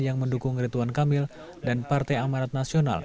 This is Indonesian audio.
yang mendukung rituan kamil dan partai amarat nasional